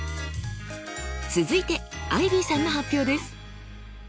続いてアイビーさんの発表です。